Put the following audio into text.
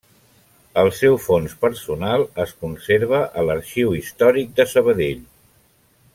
El seu fons personal es conserva a l'Arxiu Històric de Sabadell.